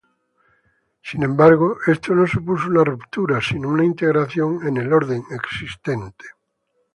Sin embargo, esto no supuso una ruptura, sino una integración en el orden existente.